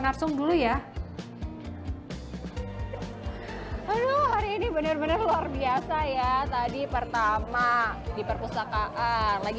narasum dulu ya hari ini bener bener luar biasa ya tadi pertama di perpustakaan lagi